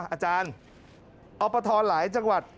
อาจารย์อปทหลายจังหวัด